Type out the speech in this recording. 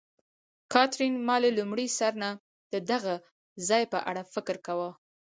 کاترین: ما له لومړي سر نه د دغه ځای په اړه فکر کاوه.